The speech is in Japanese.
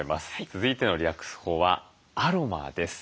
続いてのリラックス法はアロマです。